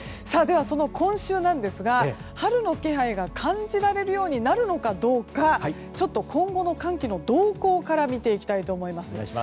では、今週なんですが春の気配が感じられるようになるのか今後の寒気の動向から見ていきたいと思います。